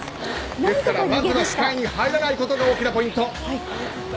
ですからハンターの視界に入らないことがポイント。